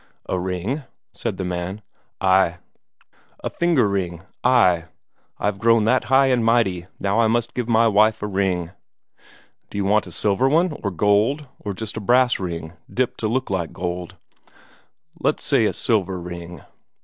"A ring?" said the man. "A finger ring. Ay, I've grown that high and mighty now I must give my wife a ring." "Do you want a silver one, or gold, or just a brass ring dipped to look like gold?" "Let's say a silver ring."